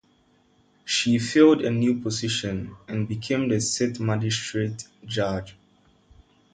She filled a new position and became the sixth magistrate judge.